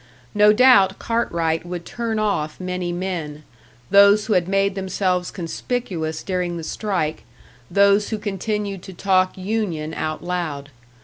No doubt Cartwright would turn off many men those who had made themselves conspicuous during the strike, those who continued to talk union out loud.